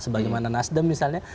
sebagaimana nasdem misalnya